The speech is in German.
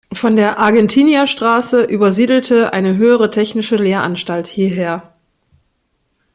Von der Argentinierstraße übersiedelte eine Höhere Technische Lehranstalt hierher.